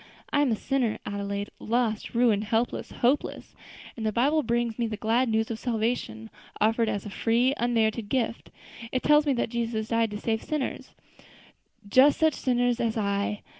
I am a sinner, Adelaide, lost, ruined, helpless, hopeless, and the Bible brings me the glad news of salvation offered as a free, unmerited gift; it tells me that Jesus died to save sinners just such sinners as I.